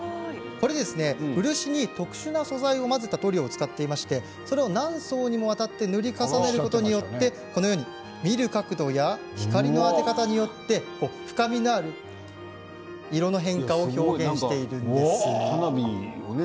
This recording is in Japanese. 漆に特殊な素材を混ぜた塗料を使っていましてそれを何層にもわたって塗り重ねることによって見る角度や光の当て方によって深みのある色の変化を表現しているんです。